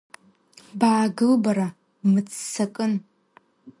Баагыл бара, бмыццакын…